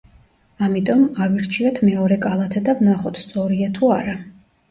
ამიტომ, ავირჩიოთ მეორე კალათა და ვნახოთ სწორია თუ არა.